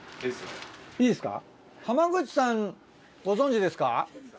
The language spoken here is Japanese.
いいですか？